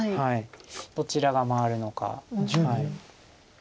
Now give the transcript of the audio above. どちらが回るのか。